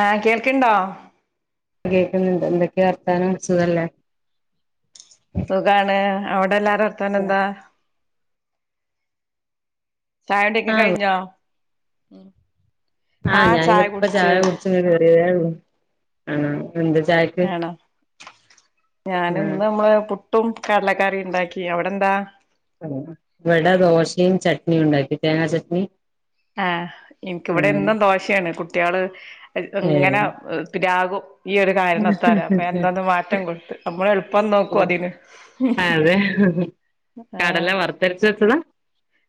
ആഹ് കേൾക്കണ്ടോ? കേൾക്കുന്നുണ്ട് എന്തൊക്കെയ വർത്താനം സുഖല്ലേ സുഖാണ് അവിടെല്ലാരും വർത്തന എന്താ ചായുടിക്കെ ആഹ് കഴിഞ്ഞോ ആഹ് ഞാനിപ്പോ ചായ കുടിച്ച കറിയത ആഹ് എന്ത് ചായ ആണോ ഞാന ആഹ് ഇന്ന് നമ്മള ട്ടും കടലക്കറി ഉണ്ടാക്കി അവിടെന്താ ഇവിടെ ദോശയും ചട്നിയും ഉണ്ടാക്കി തേങ്ങാ ചട്നി ആഹ് ആഹ് എനക്കിവിടെന്നും ദോഷയാണ് കുട്ടികള് എങ്ങനെ ഏഹ് പിരാകും ഈയരു കാരണത്താര അപ്പൊ എന്തോന്ന് മാറ്റം കൊടുത്ത് നമ്മള എളുപ്പം നോക്കുവ അതിന് അതെ ആഹ് [unintelligible]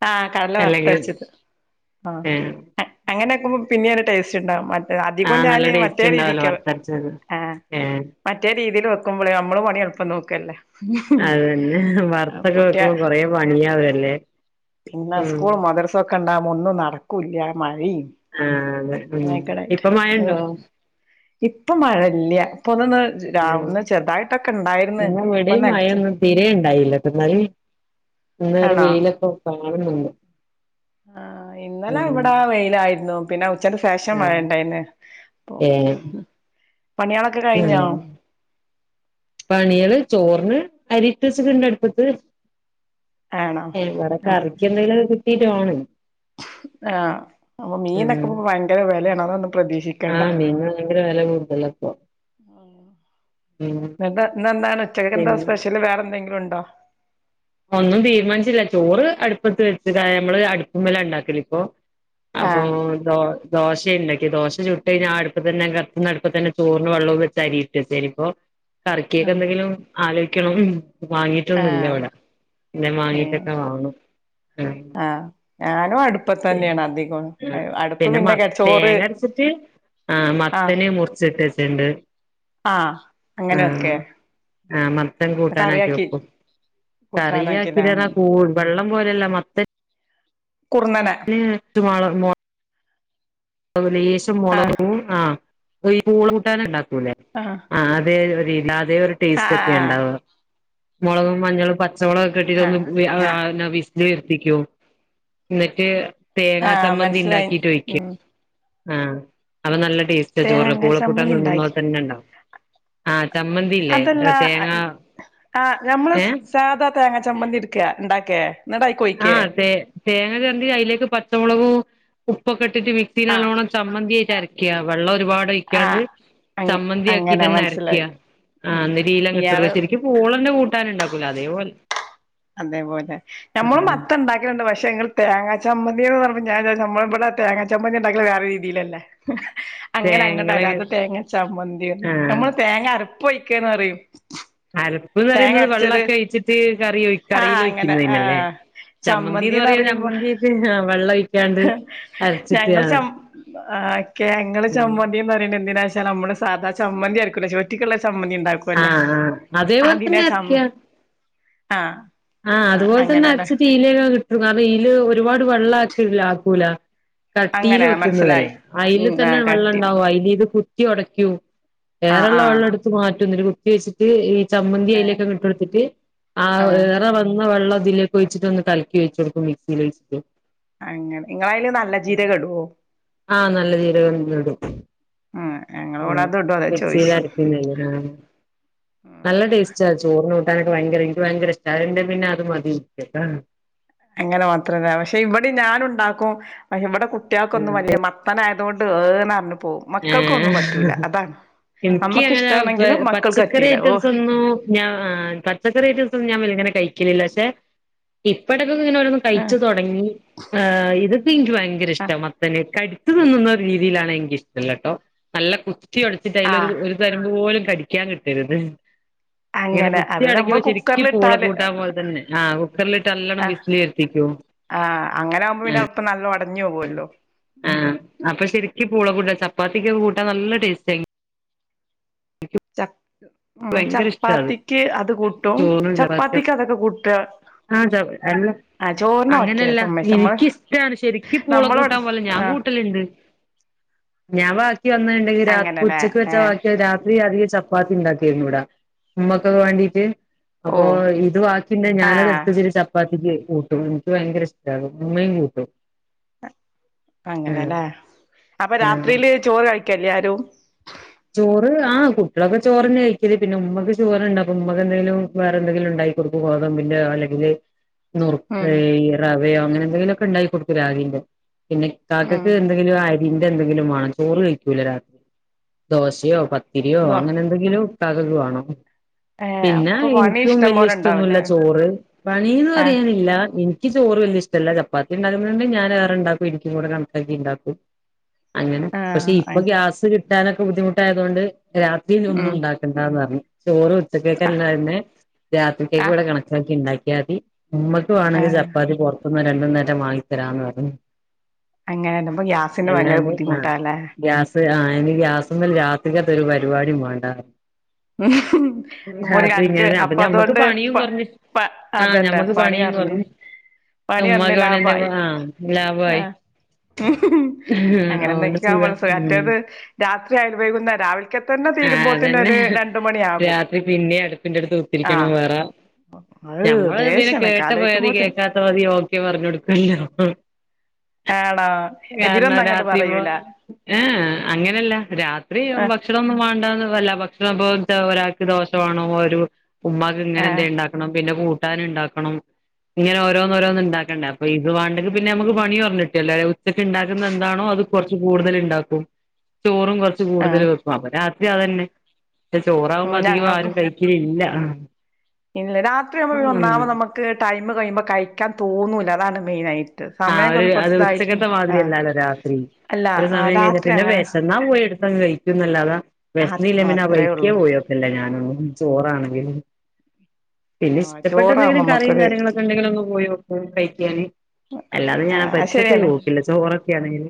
ആഹ് കടല അല്ലെങ്കിൽ വറുത്തരച്ചത് ആഹ് ഏഹ് അങ്ങനെൊക്കുമ്പോ പിന്നെയ ഒരു ടേസ്റ്റ് ഉണ്ടാവും മ അധികം ആഹ് നല്ല ഞാന് ടേസ്റ്റ് മറ്റേ ഉണ്ടാവല്ലോ രീതിക്ക വറുത്തരച്ചത് ആഹ് ഏഹ് മറ്റേ രീതിൽ വെക്കുമ്പോളേ നമ്മള് പണി എളപ്പം നോക്കല്ലേ അതന്നെ വർത്തൊക്കെ കുട്ടിയ വെക്കുമ്പോ കൊറെ പണിയാവല്ലേ പിന്നെ ഉം സ്കൂൾ മദർസൊക്കെ ഉണ്ടാവുമ്പോ ഒന്നും നടക്കും കുല്ല മഴയും ആഹ് അതെ ഉം ഇപ്പൊ മഴ അങ്ങനക്കിടായിട്ട്ങ്ങ ഉണ്ടോ ഇപ്പൊ മഴല്ല ഇപ്പൊ ഒന്ന് രാവന്ന് ചെറുതായിട്ടൊക്കെ ഉണ്ടായി ഇന്ന ഇവിടെ മഴൊന്നും തിരെണ്ടായില്ല പിലും ഇന്നേ ഒരു ആണോ വെയിലപ്പ [unintelligible] ആഹ് ഇന്നലെ ഇവിടെ വെയിലായിരുന്നു പിന്നെ ഉച്ചയക്ക്‌ ശേഷം ആഹ് മഴണ്ടായിന്ന് അപ്പ ഏഹ് പണിയാളൊക്കെ കഴിഞ്ഞോ ആഹ് പണികള് ചോറിന് അരിട്ട വെച്ചട്ടണ്ട അടുപ്പത്ത് ആണോ ഏഹ് ഇവിടെക്കെറിക്ക എന്തെങ്കിലുംക്ക കിട്ടീട്ട് വാണം ആഹ് അപ്പൊ മീന്നൊക്ക്പ ഭയങ്കര വിലയാാണ് അതൊന്നും പ്രതീക്ഷിക്കണ്ട ആഹ് മീനിന് ഭയങ്കര വില കൂടുതല ഇപ്പൊ ഉം ന്താ ഇന്നേന്താണ് ഉച്ചയ്ക്ക് എന്ത പിന്നെ സ്പെഷ്യല് വേറെ എന്തെങ്കിലും ഉണ്ടോ ഒന്നും തീരുമാനിച്ചില്ല ചോറ് അടുപ്പത്ത് വെച്ച് നമ്മള് അടുപ്പും വല ഉണ്ടാക്കല ഇപ്പൊ അപ്പൊ ആഹ് ദോശയുണ്ടാക്കെ ദോശ ചുട്ട് കഴിഞ്ഞാ ആഹ് അടുപ്പ തന്നെ കത്തുന്ന അടുപ്പ തന്നെ ചോറി വെള്ളവും വെച്ച് അരിയിട്ട് ശരിപ്പൊ കറക്കിയൊക്കെ ആഹ് എന്തെങ്കിലും ആലോയ്ക്കണം വാങ്ങിട്ടൊന്നുംല്ല ആഹ് അവിടെ പിന്നെ ഏഹ് വാങ്ങീട്ടൊക്കെ വാണം ആഹ് ഞാനും പി അടുപ്പത്തന്നെയാണ് അധികം അടുപ്പ് പിന്നെ മ കെ ചോറ് തേങ്ങ അർച്ചിട്ട് ആഹ് മത്തന മുറിച്ചിട്ട വച്ചുണ്ട് ആഹ് അങ്ങനെയൊക്കെ ആഹ് ആഹ് മത്തം കൂട്ടാനാക്കി കറിയാക്കി വെക്കും കറിയ കൂട്ടാനാക്കില്ലേ ആക്കിന്നാ കൂ വെള്ളം പോലെയല്ല മത്തൻ കുർന്നനെ [unintelligible] അ ലേശം മുളക ആഹ് ആഹ് ഈ പൂള കൂട്ടാന ഉണ്ടാക്കൂല്ലേ ആഹ് ആഹ് അതെ ഒരു ഇല്ലാതെ ഒരു ടേസ്റ്റ് ഒക്കെ ആഹ് ഉണ്ടാവ മുളകും മഞ്ഞളും പച്ചമള കെട്ടിട്ടൊന്ന് ആഹ് വി ആ ഞാ ആ നാ വിസ്ല് ഉയർത്തിക്കോ ന്നട്ട് തേങ്ങാ ആഹ് ചമ്മന്തി മനസ്സിലായി ണ്ടാക്കിട്ട് ഒയിക്ക ഉം ആഹ് അപ്പം നല്ല ടേസ്റ്റ ചോറ് തേങ്ങ പൂളക്കൂട്ട ചമ്മന്തി നിന്നുന്നോലെ ഉണ്ടാക്കി തന്നെ ണ്ടാവു ആഹ് അതല്ല ചമ്മന്തില്ലേഏ തേങ്ങ ആഹ് ഞമ്മള് ഏഹ് സാധാ തേങ്ങ ചമ്മന്തി ഇട്ക്ക ണ്ടാക്കേ ആഹ് തെ തേങ്ങ ചെരറ്റി അയിലേക്ക് പച്ചമുളകും ഉപ്പൊക്കെ ഇട്ടിട്ട് മിക് സീല് ആഹ് നല്ലോണം ചമ്മന്തി ആയിട്ട് അരയ്ക വെള്ളം ഒരുപാട് ഒഴിക്കാണ്ട് ആഹ് അങ്ങ ചാമ്മന്തി ആക്കി അങ്ങനെ ട്ടന്നെ അരക്കിയ മനസ്സിലായി ഉം ആഹ് ന്നട്ട് ഈ ലങ്ങട്ട് ഇട്ട ട്ക്കാ ഇയാള് ശരിക്കും പൂളന്റെ കൂട്ടാന് ഉണ്ടാക്കൂല അതേപോലെ അതേപോലെ നമ്മള് ആഹ് മത്തൻ ണ്ടാക്കലുണ്ട് പക്ഷെ ങ്ങള് തേങ്ങാ ചമ്മന്തിന്ന് പറഞ്ഞ ഞാൻ ചാര്ച്ച് നമ്മള് വടെ തേങ്ങാ ചമ്മന്തി ണ്ടാക്കങ്കല് വേറെ രീതിയിലല്ലേ അങ്ങനെ അങ്ങട്ട തേങ്ങളെക്കെ അല്ലാതെ തേങ്ങ ചമ്മന്തിന്ന് ആഹ് നമ്മള് തേങ്ങ അരപ്പ് ഒഴിക്കാന്ന് പറയും അര പ്പ് ന്ന് തേങ്ങ പറയുന്നത് അരച്ചത് വെള്ളക്കെ ഒഴിച്ചിട്ട് കറി ആഹ് കറിയിൽ അങ്ങനെ ഒഴിക്കുന്നോന് ല്ലേ ആഹ് ചമ്മന്തി എന്ന് ചമ്മന്തിന്ന് പറയാ പറയുമ്പോ ചമ്മന്തി [unintelligible] ഹാ വെള്ളം ഒഴി ഞങ്ങള് ചമ്മ ക്യാ ഇങ്ങള് ആഹ് ചമന്തി ന്ന് റിണേ എന്തിനാ ച്ചാ ല മ്മള് സാധാ ചമ്മന്തി ആര്ക്കുല്ലേ ചോറ്റ്ക്ക്ള്ള ചമ്മന്തി ണ്ടാകൊല്ലൊ ആഹ് അതേപോലെ അതിനാ തന്നെ ചമ്മ അരയ്ക്ക ആഹ് ആഹ് അതുപോലെ തന്നെ അരച്ച് [unintelligible] കിട്ടും കാരണം ഈല് ഒരുപാട് വെള്ളം ആക്കില്ല ആക്കൂല കട്ടീൽ അങ്ങനെ മനസ്സിലായി വെക്കുന്നതല്ലേ അയിൽ ഉം ആ തന്നെ വെള്ളം കട്ടില് ഉണ്ടാവും അയിൽ ഇത് കുത്തിയോടക്കൂ ആ ഏറെ ആ ള്ള വെള്ളം ട്ത്ത് മാറ്റും ന്നട്ട് കു ത്തി വെച്ചിട്ട് ഈ ചമ്മന്തി ഏ അയിലേക്ക് ങ്ങട്ട് ഇട്ട് കൊടുത്തിട്ട് ആ വന്ന വെള്ളം ഇതിലേക്ക് ഒഴിച്ചിട്ട് ഒന്ന് കലക്കി ഒഴിച്ച് കൊടുക്കും മിക്സിയിൽ ഒഴി ച്ചിട്ട് അങ്ങനെ നിങ്ങളതില് നല്ല ജീരകം ഇടുവോ ആഹ് നല്ല ജീരകം ഇടും ആ ഞങ്ങളിവിടെ ആഹ് അത് ഇടും അതാ മിക്സിയിൽ ചോദിച്ചു അരക്കു ന്നെ ലോ ഉം നല്ല ടേസ്റ്റാ ചോറും കൂട്ടാനൊക്കെ ഭയങ്കര ഇൻക്ക് ഭയങ്കരഷ് ട്ടാ അത്ണ്ടേ പിന്നെ അത് മതി [unintelligible] അങ്ങനെ മാത്രല്ലേ പക്ഷെ ഇവിടെ ഞനു ണ്ടാക്കും പക്ഷെ ഇവിടെ കുട്ടിയാൾക്കൊന്നും ആഹ് വല്ല്യയ മ ത്ത നായതുകൊണ്ട് ഏഹ് ന്നറ്ഞ്ഞ് പോവും മക്കൾക്കൊന്നും പറ്റൂല ഏഹ് അതാണ് എനിക്ക് അങ്ങനെ നമ്മക്ക്ഷ്ടാണെങ്കിലും വെ- മക്കൾക്ക് പച്ചക്കറി റ്റൂല്ല ഓ ഐറ്റംസ് ഒന്നും ഞാൻ ആ പച്ചക്കറി ഐറ്റംസ് ഒന്നും ഞാൻ വല്യങ്ങനെ കഴിക്കലില്ല പക്ഷെ ഇപ്പഴൊക്ക ഇങ്ങനെ ഓരോന്ന് ആ കഴിച്ചു തുടങ്ങി ഇത് പ്പം ഇൻക് ഭയങ്കര ആ ഇഷ്ട മത്തന് കടി ച്ച് തിന്നുന്നാ ഒരു രീതിയിലാണ് എനിക്ക് ഇഷ്ടല്ലട്ടോ നല്ല കുതി ഒടച്ചിട്ട് അയ്ല് ആ ഒരു ഒരു തരം പോലും കടിക്കാൻ കിട്ടരുത് ഇങ്ങനെ അങ്ങനെ കുത്തി അത് നമ്മള് ഒടക്കുപ്പോ ശെരിക്കും പൂള കുക്കറിലിട്ടാല് കൂട്ടാൻ പോലെ തന്നെ ആ കുക്കറിലിട്ട് നല്ലോണം വിസില് വരുത്തിക്കും ആഹ് അങ്ങനെ ആകുമ്പോ പിന്നെ ആഹ് എള്പ്പം നല്ല ഒടഞ്ഞോവല്ലോ ഉം അപ്പ ശരിക്ക് പുള കൂടാ ചപ്പാത്തിക്ക് ക്കെ കൂട്ടാ നല്ല ടേസ്റ്റായി ച ഭയങ്കര ഇഷ്ടാ അത് ചപ്പാത്തിക്ക് അത് കൂട്ടും ചോറിനും ചപ്പാത്തിക്കും ചപ്പാത്തിക്ക് അതൊക്കെ കൂട്ടാ ആഹ് [unintelligible] അങ്ങനെയല്ല സമ്മതിച്ചു നമ്മള് എനിക്കിഷ്ടാണ് ശരിക്ക് പൂള നമ്മളോട് കൂട്ടാൻ പോലെ ഞാൻ ആ കൂട്ടല്ണ്ട് ഞാൻ ബാക്കി വന്നണ്ടെങ്കിൽ രാ അങ്ങനെല്ലേ ഉച്ചക്ക് ഏ വെച്ചാ ബാക്കി രാത്രി അധികം ചപ്പാത്തി ഇണ്ടാ ക്കോനു ഇവടെ ഇമ്മക്കൊക്കെ വേണ്ടീട്ട് ഓ അപ്പൊ ഇത് വാക്കി ണ്ടേ ആ ഞാനത് എടുത് വെച്ച്ട്ട് ച പ്പാത്തിക്ക് കൂട്ടും എനിക്ക് ഭയങ്കര ഇഷ്ട ഇമ്മയും കൂട്ടും അങ്ങനെ ആഹ് ലേ അപ്പൊ ആഹ് രാത്രിയില് ചോറ് കഴിക്കേല്ലേ ആരും ചോറ് ആഹ് കുട്ടിയാളൊക്കെ ചോറ്ന്നെ ക ഴിക്കല് പിന്നെ ഉമ്മക്ക് ഷുഗറ്ണ്ട് അപ്പം ഉമ്മക്ക് എന്തെങ്കിലും വേറെ എന്തെങ്കിലും ഉണ്ടായി കൊടുക്കും ഗോതമ്പ്ന്റെ അല്ലെങ്കില് ഉം നുറുക്ക് റവയോ അങ്ങനെ എന്തെങ്കിലു. ഒക്കെ ഇണ്ടാക്കികൊടുക്കു രാഗിന്റെ പിന്നെ ഉം ഇക്കാക്ക് എന്തെ ങ്കിലും അരിന്റെ എന്തെക്കിലും വാണ്ണം ചോറ് കയ്ക്കൂല രാത്രി ദോശയോ പത്തിരിയോ ഇതോ അങ്ങനെ എ ന്തെങ്കിലും ഇക്കാക്ക് വാണം ഏ പിന്നെ അപ്പൊ പണി ഇൻക്കും ഇഷ്ടം വല്ല്യ പോലെ ഇഷ്ട്ടൊന്നുല്ല ഉണ്ടാവൂല്ലേ ചോറ് പണീന്ന് ആ പറയാനില്ല എനി ക്ക് ചോറ് വല്യ ഇഷ്ട്ടല്ല ചാപ്പാത്തി ഉണ്ടാക്കുമ്പഴക്കെ ഞാന് ഏറെണ്ടാക്കും ഇൻക്കുംകൂടെ കാണക്കാക്കി ഇണ്ടാക്കും അങ്ങനെ ആ പക്ഷെ ഇപ്പൊ ഗ്യാസ് കിട്ടാനൊക്കെ ബുദ്ധിമുട്ടായതുകൊണ്ട് രാത്രിയിൽ ഉം ഒന്നുംണ്ടാ കണ്ടാന്ന്പറീ ചോറ് ആ ഉച്ചക്കേക്കല്ലയെന്നെ ആ രാത്രികേകിവടെ കണക്കാക്കി ണ്ടാക്കിയാതി ഉമ്മക്ക് ആ വാണങ്കി ചപ്പാത്തി പൊറത്ത്ന്ന് രണ്ടണ്ണേറ്റെ വാങ്ങിത്തരാന്ന് പറഞ്ഞ് അങ്ങനാട്ടും ഇപ്പ ഗ്യാസിന് ഭയങ്കര ബുദ്ധിമുട്ടാല്ലേ ത് ആഹ് ഇനി ഗ്യാസ്മ്മൽ രാത്രികത്തെ ഒരു പരിപാടി വാണ്ടാന്ന് ഇങ്ങനെ [unintelligible] അപ്പൊ ഞമ്മക്ക് അതോണ്ട് പണിയും പ കുറഞ്ഞ് പ ആ അതന്നെ ഞമ്മക്ക് പണി പണിയും അറിഞ് കുറഞ്ഞ് പണി അറിഞ്ഞ് ഉമ്മാക്ക് പണി എന്തേ ലാഭായി ആ ലാഭായി ആഹ് അങ്ങനെ അതുകൊണ്ട് എന്തൊക്ക സുഖാ [unintelligible] ഉം മറ്റേത് രാത്രി അയല് വയ്ക്കുന്നേരാവില് ആഹ് അതന്നെ മണിയാകും രാത്രി പിന്നെ അടുപ്പിന്റെടുത്ത് കുത്തിരിക്കണം ആഹ് വെറ അത് ഞമ്മള് പിന്നെ ദേഷ്യം എനക്ക് കേട്ട പാതി ആലോയിക്കുമ്പോത്തിന് കേക്കാത്ത പാതി ഓക്കെ പറഞൊടുക്കല്ലോ ആണോ കാരണം എതിരൊന്നും അങ്ങട്ട് രാത്രി പോ പറയൂല ഏഹ്ഏഹ് അങ്ങനല്ല രാത്രിയും ആഹ് ഭക്ഷ് ക്ഷണൊന്നും വാണ്ടന്ന്ള്ളതല്ല ഭക്ഷണംപ്പൊ ന്താ ഒരാക്ക് ദോശവാണം ഒരു ഉമ്മാക്ക് ഇങ്ങനെന്തേ ആഹ് ണ്ടാ ക്കണം പിന്നെ കൂട്ടാന്ണ്ടാക്കണം ങ്ങനെ ഓരോന്നോരോന്ന്ണ്ടാക്കണ്ട അപ്പൊ ഇത് വാണ്ടെങ്കി പിന്നെ നമുക്ക്പണി കൊറഞ്ഞ്ട്ട്യല്ലോ ഉച്ചക്ക്ണ്ടാക്കുന്നന്താണോ അത് കൊറച്ച് കൂടുതല്ണ്ടാക്കും ചോറും കൊറ് ച്ച് കൂടുതല് ആഹ് വെക്കും അപ്പൊ രാത്രി അതന്നെ ക്ഷെ ചോറാവുമ്പോ ഓഹ് അധികോം ആരും ഞങ്ങൾക്കും കഴിക്കലില്ല ആഹ് ഇല്ല രാത്രിയാവുമ്പോ ഒന്നാമ നമ്മക്ക് ടൈം കയ്യുമ്പോ കഴിക്കാൻ തോന്നൂല അതാണ് മെയിനായി ട്ട് ആ സമയം ഒരു കൊറ അത് കുറച്ച്തായിട്ട് ഉച്ചക്കത്തെ ആഹ് മാതിരിയല്ലാലോ രാത്രി അല്ല ആഹ് രാത്രി അങ്ങനെ ന്നാ പോയി എടുത്തങ്ങ് കഴിക്കുന്നല്ലാതാ ആഹ് വെശ്ന്നില്ലേ പിന്നെ അത്രേ ആവഴിക്കേ ഒള്ളൂ പോയൊ ഇല്ല ഞാനൊന്നും ചോറാണെങ്കില് പിന്നെ ആഹ് ചോറാവുമ്പോ ഇഷ്ടപ്പെട്ടന്തെങ്കിലും കറിം നമ്മക്കൊരു കാര്യങ്ങളൊക്കെ ഉണ്ടെങ്കിലൊന്നു പോയി നൊക്കും കഴിക്കാന് അല്ലാതെ ഞാനാ ആഹ് അത് പരിസരത്തെക്ക് ശരിയാണ് പോക്കില്ല ചോറൊക്കെ ആണെങ്കില്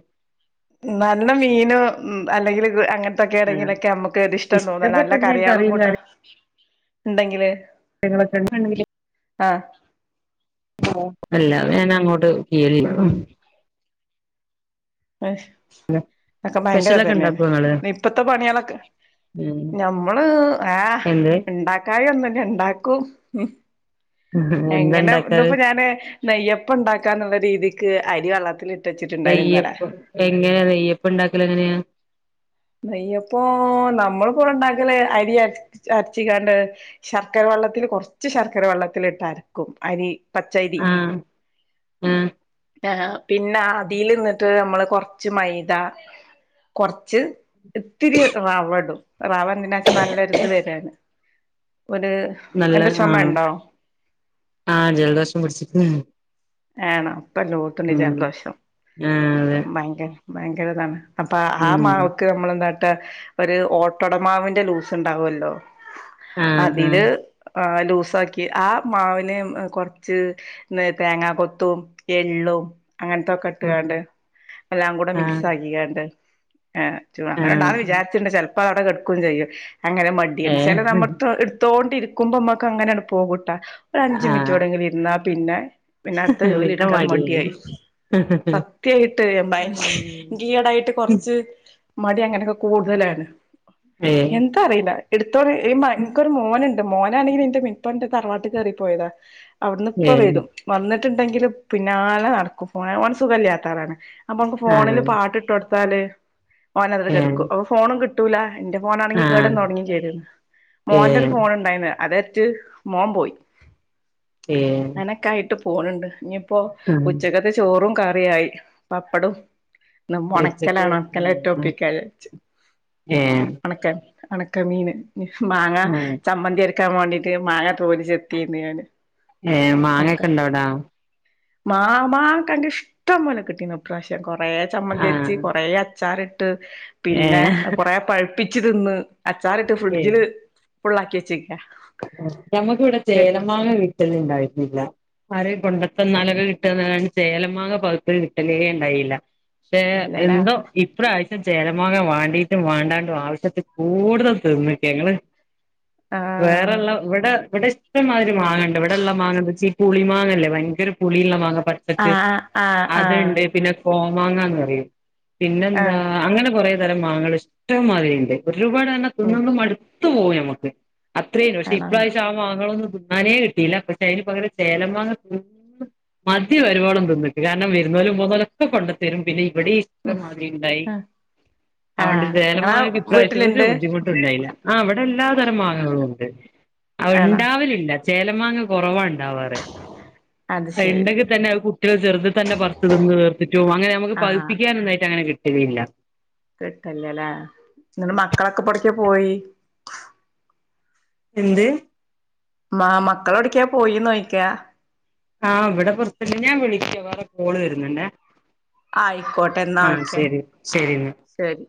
നല്ല മീനോ ഉംഅല്ലെങ്കില് ഗോ അങ്ങന ആഹ് ത്തൊക്കെണെങ്കിലൊക്കെ അമ്മക്ക് ഇത് ഇഷ്ടം തോന്നല്ലോ ഇഷ്ടപ്പെട്ട അല്ല എന്തേലും കറിയാളും കറിയും കൂട്ട ണ്ടെങ്കില് [unintelligible] അല്ല വെ ഞാനങ്ങോട്ട് ചിയ്യലില്ലാ ഉം അയ്ശ് അക്കെ സ്പെഷ്യലൊക്കെ ഭയങ്കരതന്നേണ് ഉണ്ടാക്കോ ഇങ്ങള് ന്നിപ്പത്തെ പണിയാളോക്കെ ഞമ്മള് ആഹ് എന്ത് ഇണ്ടാക്കായൊന്നുല്ല ഇണ്ടാക്കും ഉം എന്താ എങ്ങനെ ഇണ്ടാക്കാറ് ഇന്ന്പ്പോ ഞാന് നെയ്യപ്പണ്ടാക്കാന്നുള്ള രീതിക്ക് അരി വള്ളത്തിലി നെയ്യപ്പം എങ്ങനെ നെയ്യപ്പണ്ടാക്കലെങ്ങനെയാ നെയ്യപ്പോ നമ്മള്പ്പൊവടെണ്ടാക്കല് അരി അര അരച്ചിങ്ങാണ്ട് ശർക്കര വള്ളത്തില് കൊറച്ച് ശർക്കര വള്ളത്തില്ട്ടരക്കും അരി പച്ചൈരി ആഹ് ആഹ് ആഹ് പിന്നെ അതീല്ന്ന്ട്ട് നമ്മള് കൊറച്ച് മൈദ കൊറച്ച് ഇത്തിരി റവടും റാവന്തിനാച്ചാ നല്ലര്ത് വരാന് ഒരൂ നല്ല ആഹ് എന്താചൊമണ്ടോ ആഹ് ജലദോഷം പിടിച്ചിക്ക്ണ് ആണോ പ്പല്ലോത്തുണ്ടിജൽദോഷം ആഹ് അതെ ഭയങ്ക ഭയങ്കരതാണ് അപ്പാ ഉം ആമഴോക്ക് ക്ക് അമ്മളെന്താട്ടാഒരു ഓട്ടടമാവിന്റെ ലൂസ്ണ്ടാവല്ലോ ആഹ് ആഹ് അതില് ആഹ് ലൂസാക്കി ആമാവിന് കൊറച്ച് ന്ന് തേങ്ങാ കൊത്തും എള്ളും അങ്ങൻതൊക്കെ ഇട്ട്ങ്ങാണ്ട് എല്ലാംകൂടെ ആഹ് ആഹ് മിക്സ് ആക്കിങ്ങാണ്ട്ആഹ് ചൂ അങ്ങനെണ്ടാവ ആഹ് വിചാരിച്ച്ണ്ട് ചെലപ്പോ അതവടെ കടുക്കും ചെയ്യും അങ്ങനെ മടിയ ചെല ഏഹ് സമത്ത് ഇട് തോണ്ടിരിക്കുമ്പോമ്മക്കങ്ങനെണ്ട് പോകൂട്ടാ ഒരു അഞ്ച് ആഹ് മിൻറ്റോടെങ്കിലിരുന്ന പിന്നെ പിന്നെ അടുത്ത ജോലി ടുക്കാ മടിയായി സത്യായിട്ട് ഭയങ്ക ഉം നിക്ക് ഈടായിട്ട് കൊറച്ച് മടി അങ്ങനെയൊക്കെ കൂടുതലാണ് ഏഹ് എന്താറിയില്ല എടുത്തോന്ന് ഈ മ ഇന്ക്കൊരു മോ മോനുണ്ട് മോനാണെങ്കിൽ ന്റെ പന്റെ തറവാട്ട് കേറി പോയതാ അവിന്ന് ഇപ്പ ഏഹ് വരും വന്നിട്ടുണ്ടെങ്കിൽ പിന്നാലെ നടക്കും [unintelligible] ഓന് സുഖല്ല്യാത്താണ് അപ്പൊ മ്മക്ക് ആഹ് ഫോണില് പാട്ട് ഇട്ട് കൊടുത്താല് ഓനത് വരെ ഏഹ് കിടക്കും അപ്പൊ ഫോണും കിട്ടും കിട്ടൂല എന്റെ ഫോണാണെങ്കിൽ കേട് ആഹ് വന്ന് തുടങ്ങി ചെയത് മോന്റെ ഒരു ഏഹ് ഫോൺ ണ്ടായിനി അതട്ടറ്റ് മോൻ പോയി ഏഹ് അങ്ങനൊക്കെ ആയിട്ട് പോണണ്ട് ഇനിയിപ്പോ ആഹ് ഉച്ചക്കത്തെ ചോറും കറിയായി പപ്പടും ഒണക്കല ഉച്ചക്ക് ഒണക്കൽ റ്റെ ഒപ്പിക്കാ വിചാരിച്ചു ഏഹ് ഒണക്ക ഒണക്ക മീൻ മാങ്ങ ആഹ് ചമ്മന്തി അരച്ച് വക്കാൻ വേണ്ടീട്ട് മാങ്ങ തോൽ ചെത്തേയ്ന് ഞാൻ ഏഹ് മാങ്ങൊക്കെ ഇണ്ടോ അവിടാ മാങ്ങാ ക്കൊണ്ട് ഇഷ്ടം പോലെ കിട്ടീന്ന് ഇപ്രാവശ്യം കൊറേ ചമ്മന്തി അരച്ച് ആഹ് കൊറേ അച്ചാറിട്ട് പിന്നെ ഏഹ് കൊറ പഴുപ്പ് പ്പിച്ച് തിന്ന് അച്ചാറിട്ട് ഫ്രിഡ്ജില് ഫുള്ളാക്കി വെച്ചേക്കാ ങ്ങങ്ങൾക്കിവിടെ ചേലമാങ്ങ കിട്ടൽ ഉണ്ടായിട്ടില്ല ആരെങ്കിലും കൊണ്ട് തന്നാൽ ഒക്കെ കിട്ടന്നല്ലാണ്ട് ചേലമാങ്ങ പഴുത്തത് കിട്ടലേ ഉണ്ടായില്ല പക്ഷേ ഇല്ലല്ലേ എന്തോ ഇപ്രാവശ്യം ചേലമാങ്ങ വാണ്ടീട്ടും വാണ്ടാണ്ടും ആവശ്യത്തിൽ കൂടുതൽ തിന്നിക്ക ങ്ങള് ആഹ് വേറെള്ള ഇവിടെ ഇവിടെ ഇഷ്ടമാതിരി മാങ്ങണ്ട് ഇവിടെള്ള മാങ്ങ എന്ന് വെച്ചാഈ പുളി മാങ്ങല്ലേ ഭയങ്കര പുളിയുള്ള മാങ്ങ പച്ചക്ക് ആഹ് ആഹ് ആഹ് അത്ണ്ട് പിന്നെ കോമാങ്ങാന്ന് പറയും എന്താ ആഹ് അങ്ങനെ കൊറെ തരം മാങ്ങകൾ ഇഷ്ടം മാതിരിണ്ട് ഒരുപാട് പറഞ്ഞ ഉം തിന്ന് തിന്ന് മടുത്തു പോവും നമുക്ക് അത്രേല്ല പക്ഷെ ആണോ ഇപ്രാവശ്യം ആഹ് മാങ്ങളൊന്നും തിന്നാനേ കിട്ടിയില്ല പക്ഷെ അതിന് പകരം ചേല മാങ്ങ മതി വരുവോളം തിന്നിക്ക് കാരണം വരുന്നോലും പോണോലും ഒക്കെ കൊണ്ടു തരും പിന്നെ ഇവിടെഈ ഇഷ്ടം മാതിരി ണ്ടായി ആഹ് അതോണ്ട് ആഹ് ഇങ്ങളെ ചേലമാങ്ങക്ക് ഇപ്രാവശ്യം ഒരു വീട്ടില്ണ്ട് ബുദ്ധിമുട്ടുണ്ടായില്ല ആഹ് ഇവിടെ എല്ലാ തരം മാങ്ങ കളുണ്ട് അത്‌ ആണോ ഉണ്ടാവലില്ല ചേലമാങ്ങ കൊറവാ ഉണ്ടാവാറ് അത് ശരി ണ്ടെങ്കിൽ തന്നെ കുട്ടികൾ ചെറുത് തന്നെ പറിച് നിന്ന് തീർത്തിട്ടും അങ്ങനെ നമുക്ക് പഹ് ആഹ് പഴുപ്പിക്കാനായ്ട്ട് അങ്ങനെ കിട്ടലില്ല കിട്ടല്ലേല്ലേ എന്നിട്ട് മക്കളൊക്കെ പ്പോ എടുക്കെ പോയി എന്ത് മ് മക്കളൊക്കെ എവടക്കെ പോയിന്ന് ചോയ്ക്ക ആഹ് ഇവിടെ പുറത്ണ്ട് ഞാൻ വിളിക്ക വേറെ കോള് വരുന്നുണ്ടേ ആഹ് ആയിക്കോട്ടെ ന്ന ആഹ് ഓക്കേ ശരി ശരി എന്നാ ശെരി